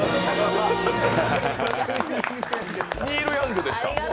ニール・ヤングでした。